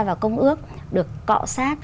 vào công ước được cọ sát